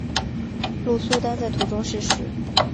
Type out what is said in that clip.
鲁速丹在途中逝世。